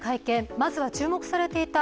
まずは注目されていました